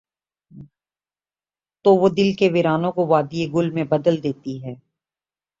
تو وہ دل کے ویرانوں کو وادیٔ گل میں بدل دیتی ہے۔